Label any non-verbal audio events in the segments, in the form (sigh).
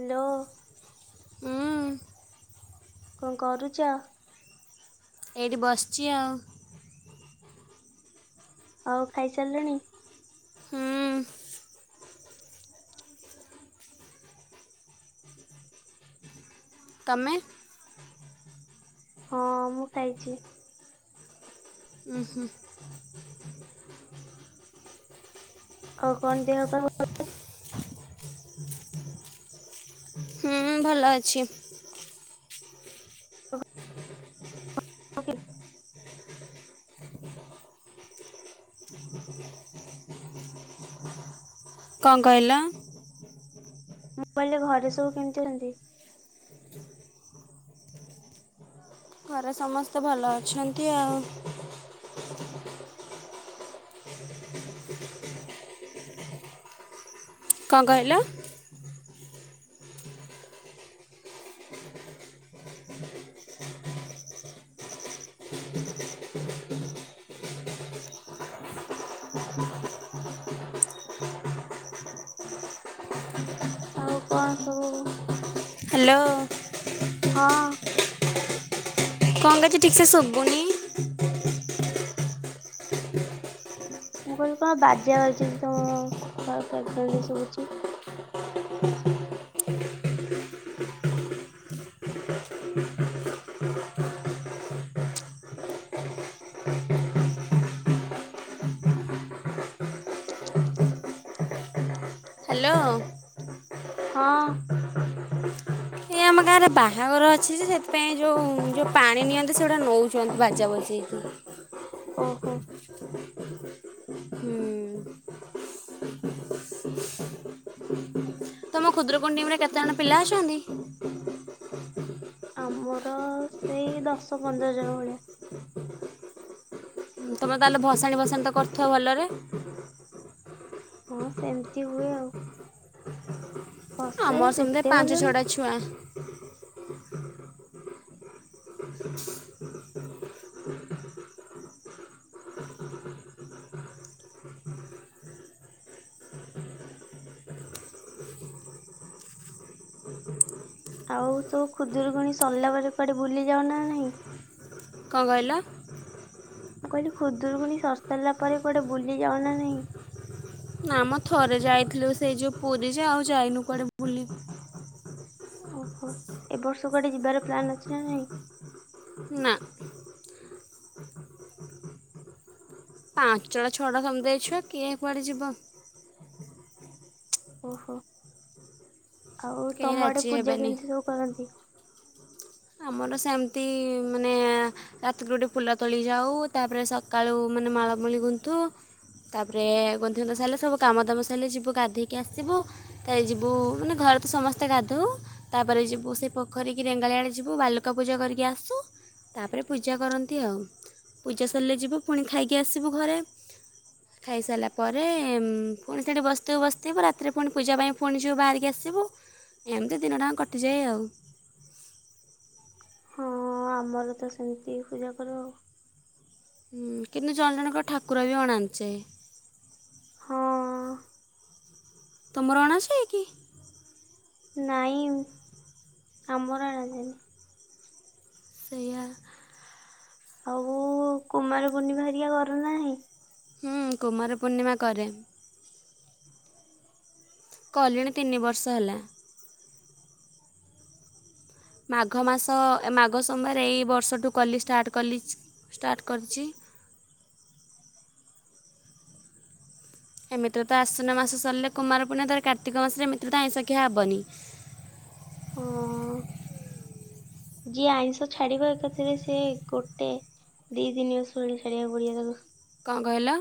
Hello. ହୁଁ। କଣ କରୁଛ? ଏଇଠି ବସିଛି ଆଉ। ଆଉ ଖାଇସାରିଲଣି। ହୁଁ ତମେ। ହଁ ମୁଁ ଖାଇଛି। ଉୁ ହୁ ଆଉ କଣ ଦେହ ପା ଭଲ? ହୁଁ ଭଲ ଅଛି। ଓକେ। (unintelligible) କଣ କହିଲ? ମୁଁ କହିଲେ ଘରେ ସବୁ କେମିତି ଅଛନ୍ତି? ଘରେ ସମସ୍ତେ ଭଲ ଅଛନ୍ତି ଆଉ। କଣ କହିଲ? ଆଉ କଣ ସବୁ ହ୍ୟାଲୋ। ହଁ। କଣ କିଛି ଠିକସେ ଶୁଭୁନି? (unintelligible) ମୁଁ କହିଲି କଣ ବାଜା ବାଜିଛି ତମ ପାଖରେ ତ ସୁବୁଛି? ହ୍ୟାଲୋ। ହଁ। କାହାର ବାହାଘର ଅଛି ଯେ, ସେଥିପାଇଁ ଯୋଉଁ ଯୋଉ ପାଣି ନିଅନ୍ତି ସେଗୁଡା ନେଉଚନ୍ତି ବାଜା ବଜେଇକି। ଓହୋ। ହ ତମ ଖୁଦୁରୁକୁଣୀ ଟିମ୍ ରେ କେତେ ଅଣ ପିଲା ଅଛନ୍ତି? ଆମର ସେଇ ଦଶ ପନ୍ଦର ଜଣ ଭଳିଆ। ହ ହ (inaudible) ତମେ ତାହେଲେ ଭସାଣି ଭସାଣି ତ କରୁଥୁବ ଭଲରେ? ହଁ, ସେମିତି ହୁଏ ଆଉ। ବସେ ଆମର ସେମତି ଏତେ ପାଞ୍ଚ ଗଲୁଣି ଛଅଟା ଛୁଆ। ଆଉ ସଉ ଖୁଦୁରୁକୁୁଣୀ ସର୍ ଲା ପରେ କୁଆଡେ ବୁଲି ଯାଉ ନା ନାହିଁ? କଣ କହିଲ? ମୁଁ କହିଲି ଖୁଦୁରୁକୁଣୀ ସରି ସାର୍ ଲା ପରେ କୁଆଡେ ବୁଲି ଯାଅ ନା ନାହିଁ? ନାଆ ମ ଥରେ ଯାଇଥିଲୁ ସେଇ ଯୋଉ ପୁରୀ ଯେ, ଆଉ ଯାଇନୁ କୁଆଡେ ବୁଲି। ଓହୋ! ଏବ ବର୍ଷ କୁଆଡେ ଯିବାର ପ୍ଲାନ୍ ଅଛି ନା ନାଇଁ? ନା। ପାଞ୍ଚଟା, ଛଅଟା ସମୁଦାଏ ଛୁଆ, କିଏ କୁଆଡେ ଯିବଁ? ଓହୋ! ଆଉ କେହି ତମ ଆଡେ ରାଜି ପୂଜା ହେବେନି କେଁତି ସବୁ କରନ୍ତି? ଆମର ସେମିତି-ଇ, ମାନେ-ଏଁ ରାତିକୁରୁ ଉଠୀ ଫୁଲ ତୋଳି ଯାଉ। ତା'ପରେ ସକାଳୁ ମାନେ ମାଳମୂଳି ଗୁନ୍ତୁ। ତା'ପରେ ଗୁନ୍ଥିଗୁନ୍ଥା ସାରିଲେ ସବୁ କାମ ଦାମ ସାଇଲେ, ଯିବୁ ଗାଧେଇକି ଆସିବୁ। ତା ରେ ଯିବୁ, ମାନେ ଘରେ ତ ସମସ୍ତେ ଗାଧଉ। ତାପରେ ଯିବୁ ସେଇ ପୋଖରୀ କିି ରେଙ୍ଗାଳି ଆଡ଼େ ଯି ଯିବୁ ବାଲୁକା ପୂଜା କରିକି ଆସୁ। ତା'ପରେ ପୂଜା କରନ୍ତି ଆଉ। ପୂଜା ସରିଲେ ଯିବୁ, ପୁଣି ଖାଇକି ଆସିବୁ ଘରେ। ଖାଇସାରିଲା ପରେ-ଏମ୍ ପୁଣି ସେଠି ବସିଥିବୁ ବସିଥିବୁ ରାତିରେ ପୁଣି ପୂଜା ପାଇଁ ପୁଣି ଯିବୁ ବାହାରିକି ଆସିବୁ। ଏମିତି ଦିନ ଟାଙ୍କ୍ କଟିଯାଏ ଆଉ। ହଁ, ଆମର ତ ସେମିତି ପୂଜା କରୁ। ହୁଁ, କିନ୍ତୁ ଜଣ ଜଣଙ୍କ ଠାକୁର ବି ଅଣାଞ୍ଚେ। ହଁ। ତମର ଅଣାଛି କି? ନାଇଁ, ଆମର ଅଣାଯାଏନି। ସେଇୟା। ଆଉ-ଉ କୁମାର ପୂର୍ଣ୍ଣିମା ହେରିକା ଗର ନାହିଁ? ହୁଁ, କୁମାର ପୂର୍ଣ୍ଣିମା କରେଁ। କଲିଣି ତିନି ବର୍ଷ ହେଲା। ମାଘ ମାସ ଏ ମାଘ ସମବାର ଏଇ ବର୍ଷଠୁ କଲି, ଷ୍ଟାର୍ଟ କଲି ଷ୍ଟାର୍ଟ କରିଛି। ଏମିତିରେ ତ ଆଶ୍ୱିନ ମାସ ସରିଲେ କୁମାରପୂର୍ଣ୍ଣିମା, ଧର କାର୍ତ୍ତିକ ମାସରେ ଏମିତିରେ ତ ଆଇଁଷ ଖିଆ ହବନି। ହଁ-ଅଁ ଯିଏ ଆଇଁଷ ଛାଡିବ ଏକାଥରେ ସିଏ ଗୋଟେ, ଦି ତିନି ମାସ୍ ଭଳି ଛାଡିବାକୁ ପଡିବ ତାକୁ! କଣ କହିଲ?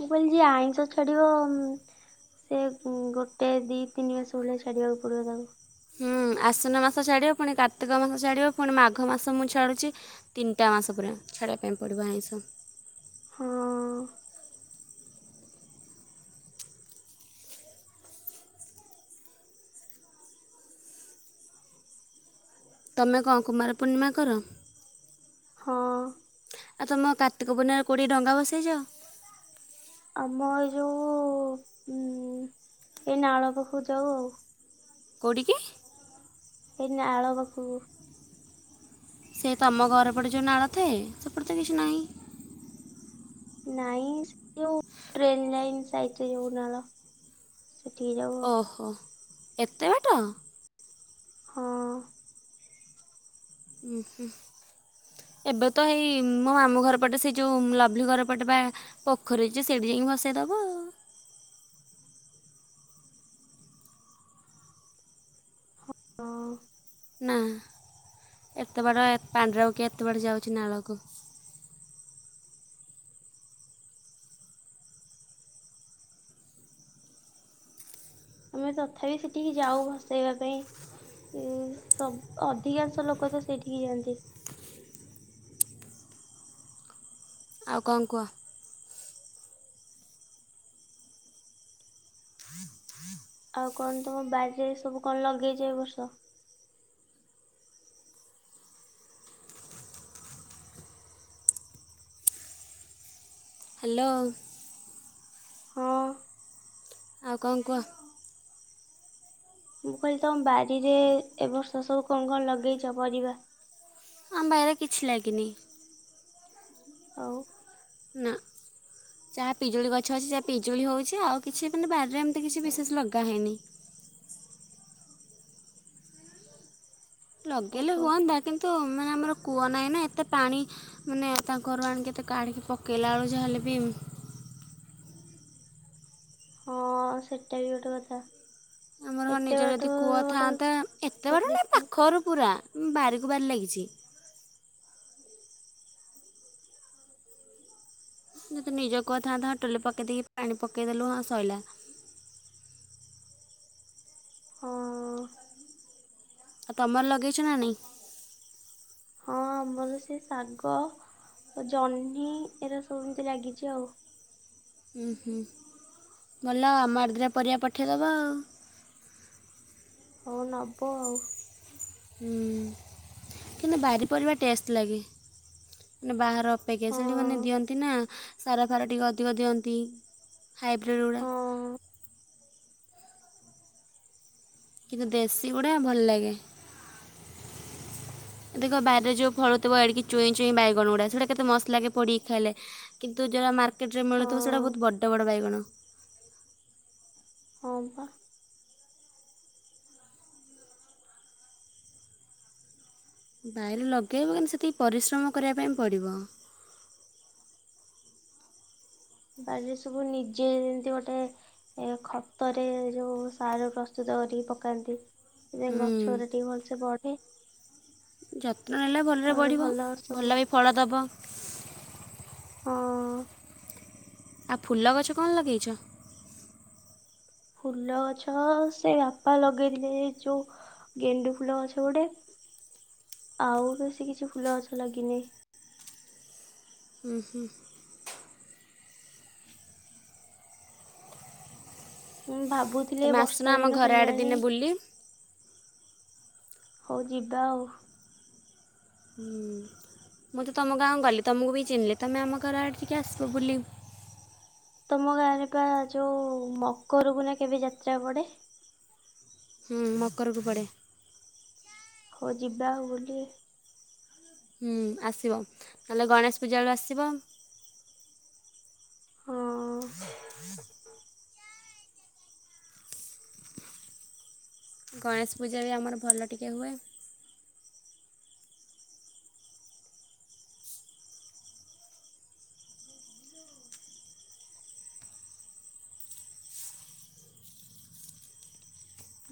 ମୁଁ କହିଲି ଯିଏ ଆଇଁଷ ଛଡିବ, ଉଁ ସେ ଗୋଟେ ଦି ତିନି ମାସ ଭଳିଆ ଛାଡ଼ିବାକୁ ପଡ଼ିବ ତାଙ୍କ୍ ହୁଁ, ଆଶିନ ମାସ ଛାଡ଼ିବ, ପୁଣି କାର୍ତ୍ତିକ ମାସ ଛାଡ଼ିବ, ପୁଣି ମାଘ ମାସ ମୁଁ ଛାଡ଼ୁଛି। ତିନିଟା ମାସ ପୁରା ଛାଡ଼ିବା ପାଇଁ ପଡ଼ିବ ଆଇଁଷ। ହୁଁ। ତମେ କଣ କୁମାର ପୂର୍ଣ୍ଣିମା କର? ହଁ। ଆଉ ତମ କାର୍ତ୍ତିକ ପୂର୍ଣ୍ଣିମାରେ କୋଉଠିକି ଡଙ୍ଗା ଭସେଇଯାଅ? ଆମ ଏଇ ଯୋଉ ଏ ନାଳ ପାଖକୁ ଯାଉ ଆଉ। କୋଉଟି କି? ହେଇନାଳ ପାଖୁକୁ। ସେ ତମ ଘର ପଟେ ଯେଉଁ ନାଳ ଥାଏ? ସେପଟେ ତ କିଛି ନାହିଁ। ନାଇଁ ଯୋଉ ଟ୍ରେନ୍ ଲାଇନ୍ ସାଇଟରେ ଯୋଉନାଳ। ଓହୋ ଏତେ ବାଟ? ହଁ। ଉଁ ହୁଁ। ଏବେ ତ ହେଇ ମୋ ମାମୁଁ ଘର ପଟେ ସେଇ ଯୋଉ ଲଭଲି ଘର ପଟେ ପା ପୋଖରୀଯେ ସେଠି ଯାଇକି ଭସେଇ ଦବ। ହଁଁ ନା ଏତେ ବାଟ ଏ ପାଣିରେ କିଏ ଏତେ ବାଟ ଯାଉଚି ନାଳକୁ। ଆମେ ତଥାପି ସେଠିକି ଯାଉ ଭସେଇବା ପାଇଁ। ଉଁ ସ ଅଧିକାଂଶ ଲୋକ ତ ସେଇଠିକି ଯାଆନ୍ତି। ଆଉ କଣ କୁହ? ଆଉ କଣ ତମ ବାଡିରେଏ ସବୁ କଣ ଲଗେଇଚ ଏ ବର୍ଷ? ହାଲୋ। ହଁ। ଆଉ କଣ କୁହ? ମୁଁ କହିଲି ତମ ବାରିରେ ଏବର୍ଷ ସବୁ କଣ କଣ ଲଗେଇଚ ପରିବା? ଆମ ବାଇରେ କିଛି ଲାଗିନି। ଆଉ ନାଁ। ଯାହା ପିଜୁଳି ଗଛ ଅଛି ଯାହା ପିଜୁଳି ହୋଉଚି। ଆଉ କିଛି ମାନେ ବାରିରେ ଏମିତି କିଛି ବିଶେଷ କିଛିଲଗା ହେଇନି। ଲଗେଇଲେ ଓହୋ ହୁଅନ୍ତା। କିନ୍ତୁ ମାନେ ଆମର କୂଅ ନାହିଁ ନା ଏତେ ପାଣି ମାନେ ତାଙ୍କ ଘରୁ ଆଣିକି ଏତେ କାଢିକି ପକେଇଲା ବେଳୁ ଯାହା ହେଲେ ବି ହଁ ସେଟା ବି ଗୋଟେ କଥା। ଆମର ହଁ ଏତେ ନିଜର ବାଟ ଯଦି କୁଅ ଗୋଟେ ଥାଆନ୍ତା। ଏତେ ବାଟ ନାଇଁ ଖୋଜିକି ପାଖରୁ ପୁରା ବାରିକୁ ବାରି ଲାଗିଛି। ଯଦି ନିଜ କୂଅ ଥାନ୍ତା ହଁଟୁଲୁ ପକେଇ ଦେଇକି ପାଣି ପକେଇଦେଲୁ ହଁ ଶଇଲା। ହଁ ଅ। ଆଉ ତମର ଲଗେଇଛ ନା ନାଇଁ? ହଁ ଆମର ସେ ଶାଗ ଜହ୍ନି ଏରା ସବୁ ଏମିତି ଲାଗିଚି ଆଉ। ଉଁ ହୁଁ ଭଲ ଆମ ଆଡ଼େଦିଟା ପରିବା ପଠେଇଦବ ଆଉ। ହଉ ନବ ଆଉ। ହୁଁ କିନ୍ତୁ ବାରି ପରିବା ଟେଷ୍ଟ ଲାଗେ। ମାନେ ବାହାର ଅପେକ୍ଷା ହଁ ସେଠି ମାନେ ଦିଅନ୍ତି ନା ସାରା ଫାର ଟିକିଏ ଅଧିକ ଦିଅନ୍ତି। ହାଇବ୍ରିଡ ଗୁଡା। ହଁ କିନ୍ତୁ ଦେଶୀ ଗୁଡା ଭଲ ଲାଗେ। ଦେଖ ବାରିରେ ଯେଉଁ ଫଳୁଥିବ ଏଡିକି ଚୁଇଁ ଚୁଇଁ ବାଇଗଣ ଗୁଡା ସେଗୁଡା କେତେ ମସ୍ତ ଲାଗେ ପୋଡିକି ଖାଇଲେ। କିନ୍ତୁ ଯୋଉରା ମାର୍କେଟ ରେ ମିଳୁଥିବ। ସେଇଟା ହଁ ବହୁତ୍ ବଡ ବଡ ବାଇଗଣ। ହଁ ବା। ବାଇରେ ଲଗେଇବୁ କିନ୍ତୁ ସେତିକି ପରିଶ୍ରମ କରିବା ପାଇଁ ପଡ଼ିବ। ବାଡିରେ ସବୁ ନିଜେ ଯେମତି ଗୋଟେ ଏ ଖତରେ ଯୋଉ ସାର ପ୍ରସ୍ତୁତ କରିକି ପକାନ୍ତି। ସେ ହୁଁ, ଗଛ ରେ ଟିକେ ଭଲସେ ବଢେ। ଯତ୍ନ ନେଲେ ଭଲରେ ତାପରେ ବଢ଼ିବ ଭଲ ସବୁ ଭଲ ବି ଫଳ ଦେବ। ହଁ ଆ ଫୁଲ ଗଛ କଣ ଲଗେଇଛ? ଫୁଲ ଗଛ ସେ ବାପା ଲଗେଇଥିଲେ ଯୋଉ ଗେଣ୍ଡୁ ଫୁଲ ଗଛ ଗୋଟେ ଆଉ ବେଶୀ କିଛି ଫୁଲ ଗଛ ଲାଗିନି। ହୁଁ, ହୁଁ। ମୁଁ ଭାବୁଥିଲି ତମେ ଆସୁନ ବର୍ଷା ଆମ ଦିନ ଘର ଆଡ଼େ ଦିନେ ହେଲାଣି। ବୁଲି ହଉ ଯିବା ଆଉ। ହୁଁ ମୁଁ ତ ତୁମ ଗାଁକୁ ଗଲି ତୁମକୁ ବି ଚିହ୍ନିଲେ ତୁମେ ଆମ ଘର ଆଡ଼େ ଟିକେ ଆସିବ ବୁଲି। ତମ ଗାଁରେ ପା ଯୋଉ ମକରକୁ ନା କେବେ ଯାତ୍ରା ପଡେ। ହୁଁ ମକରକୁ ପଡ଼େ। ହଉ ଯିବା ଆଉ ବୁଲି। ହୁ ଆସିବ ତାହେଲେ ଗଣେଶ ପୂଜା ବଳକୁ ଆସିବ। ହଁ। ଗଣେଶ ପୂଜା ବି ଆମର ଭଲ ଟିକଏ ହୁଏ।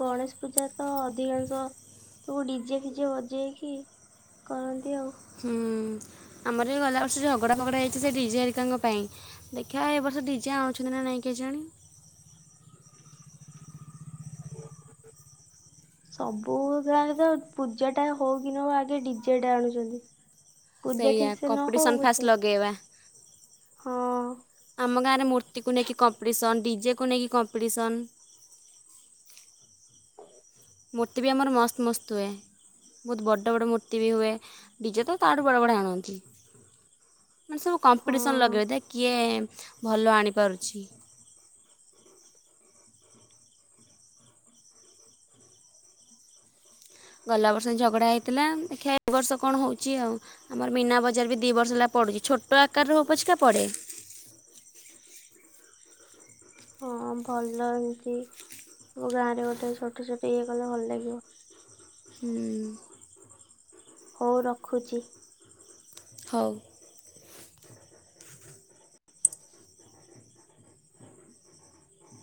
ଗଣେଶ ପୂଜା ତ ଅଧିକାଂଶ ସବୁ ଡିଜେ ଫିଜେ ବଜେଇକି କରନ୍ତି ଆଉ। ହୁଁ। ଆମର ଯୋଉ ଗଲା ବର୍ଷ ଯୋ ଝଗଡା ପଗଡା ହୋଇଛି ସେ ଡିଜେ ଆରିକାଙ୍କ ପାଇଁ। ଦେଖିବା ଏ ବର୍ଷ ଡିଜେ ଆଣୁଛନ୍ତି ନା ନାଇଁ କେହି ଜାଣି। ସବୁ ଗାଁ ରେ ପୂଜା ଟା ହଉ କି ନ ହଉ ଆଗେ ଡିଜେ ଟା ଆଣୁଛନ୍ତି। ପୂଜା ସେଇଆ ଠିକ୍ ସେ ନ ହଉ କମ୍ପିଟିସନ୍ ଫାଷ୍ଟ ପଛେ ଲଗେଇବା ହଁ। ଆମ ଗାଁରେ ମୂର୍ତ୍ତିକୁ ନେଇକି କମ୍ପିଟିସନ୍ ଡିଜେକୁ ନେଇକି କମ୍ପିଟିସନ୍। (inaudible) ମୂର୍ତ୍ତି ବି ଆମର ମସ୍ତ ମସ୍ତ ହୁଏ। ବହୁତ ବଡ଼ ବଡ଼ ମୂର୍ତ୍ତି ବି ହୁଏ ଡିଜେ ତ ତାଠୁ ବଡ଼ ବଡ଼ ଆଣନ୍ତି। ମାନେ ସବୁ ହଁ କମ୍ପିଟିସନ୍ ଲଗେଇବେ ତା କିଏ ଭଲ ଆଣିପାରୁଛି। ଗଲା ବର୍ଷ ଝଗଡ଼ା ହେଇଥିଲା ଦେଖିବା ଏ ବର୍ଷ କଣ ହଉଛି ଆଉ। ଆମର ମୀନା ବଜାର ବି ଦି ବର୍ଷ ହେଲା ପଡୁଛି ଛୋଟ ଆକାର ରେ ହଉ ପଛିିକା ପଡେ। ହଁ ଭଲ ଏମିତି ସବୁ ଗାଁରେ ଗୋଟେ ଛୋଟ ଛୋଟ ଇଏ କଲେ ଭଲ ଲାଗିବ। ହୁଁ। ହଉ ରଖୁଛି। ହଉ।